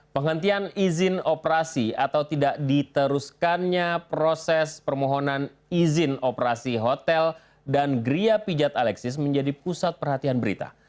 penghentian izin operasi atau tidak diteruskannya proses permohonan izin operasi hotel dan geria pijat alexis menjadi pusat perhatian berita